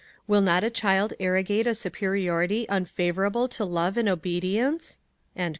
_ Will not a child arrogate a superiority unfavourable to love and obedience?"